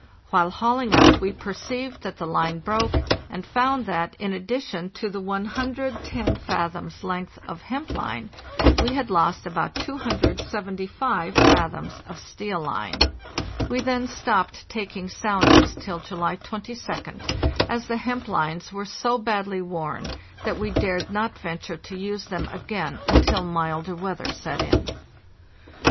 While hauling up we perceived that the line broke, and found that, in addition to the 110 fathoms' length of hemp line, we had lost about 275 fathoms of steel line. We then stopped taking soundings till July 22d, as the hemp lines were so badly worn that we dared not venture to use them again until milder weather set in.